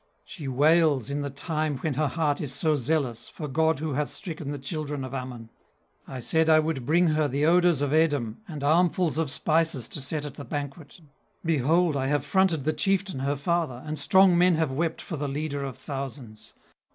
She wails in the time when her heart is so zealous For God who hath stricken the children of Ammon. "I said I would bring her the odours of Edom, And armfuls of spices to set at the banquet! Behold I have fronted the chieftain her father; And strong men have wept for the leader of thousands!